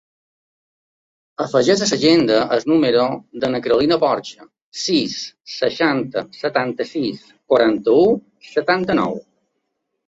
Afegeix a l'agenda el número de la Carolina Borja: sis, seixanta, setanta-sis, quaranta-u, setanta-nou.